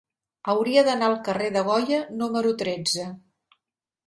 Hauria d'anar al carrer de Goya número tretze.